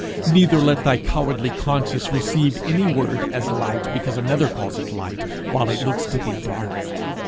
Neither let thy cowardly conscience receive any word as light because another calls it light, while it looks to thee dark.